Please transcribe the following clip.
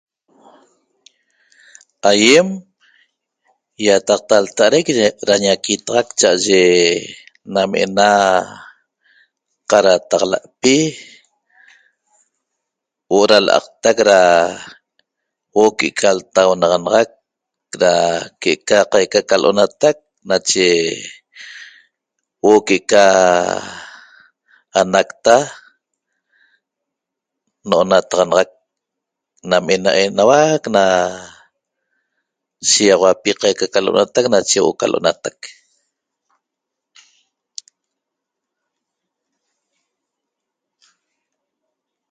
Aiem iataqta lta'araic ra ñaquitaxac cha'aye nam ena qatataxala'pi huo'o ra la'aqtac ra huo'o que'eca ltaunaxanaxac ra que'eca qaica ca lo'onatac nache huo'o que'eca anacta no'onataxanaxac nam ena enauac na shigaxauapi qaica ca lo'onatac nache huo'o ca lo'onatac